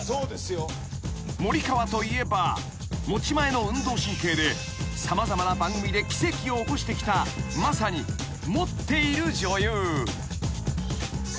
［森川といえば持ち前の運動神経で様々な番組で奇跡を起こしてきたまさに持っている女優］